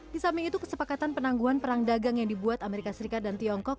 di samping itu kesepakatan penangguhan perang dagang yang dibuat amerika serikat dan tiongkok